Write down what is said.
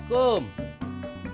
jangan lupa ya